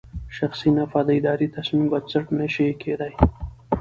شخصي نفعه د اداري تصمیم بنسټ نه شي کېدای.